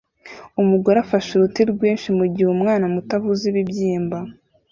Umugore afashe uruti rwinshi mugihe umwana muto avuza ibibyimba